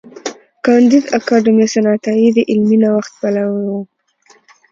کانديد اکاډميسن عطايي د علمي نوښت پلوي و.